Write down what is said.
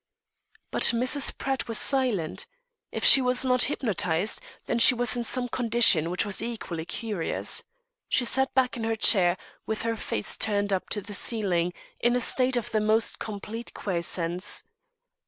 But Mrs. Pratt was silent. If she was not "hypnotised," then she was in some condition which was equally curious. She sat back in her chair, with her face turned up to the ceiling, in a state of the most complete quiescence.